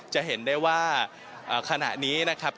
จะเห็นได้ว่าขณะนี้นะครับ